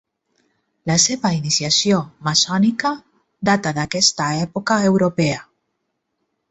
La seva iniciació maçònica data d'aquesta època europea.